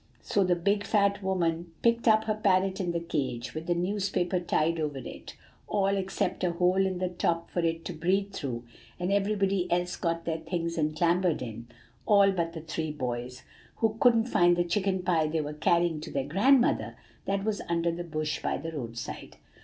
So the big fat woman picked up her parrot in the cage, with the newspaper tied over it, all except a hole in the top for it to breathe through, and everybody else got their things and clambered in, all but the three boys, who couldn't find the chicken pie they were carrying to their grandmother, that was under the bush by the roadside."